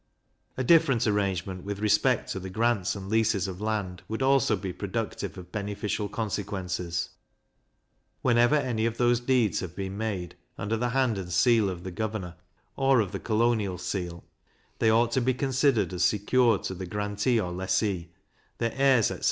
A different arrangement with respect to the grants and leases of land would also be productive of beneficial consequences. Whenever any of those deeds have been made, under the hand and seal of the governor, or of the colonial seal, they ought to be considered as secured to the grantee or lessee, their heirs, etc.